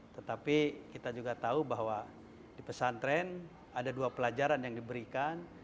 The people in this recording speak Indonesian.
tetapi kita juga tahu bahwa di pesantren ada dua pelajaran yang diberikan